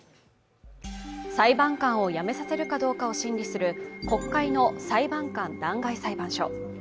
裁判官を辞めさせるかどうかを審理する国会の裁判官弾劾裁判所。